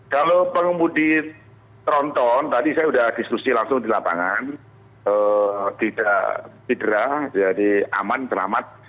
kalau pengemudi tronton tadi saya sudah diskusi langsung di lapangan tidak cedera jadi aman selamat